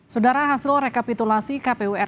sudara hasil rekapitulasi kpum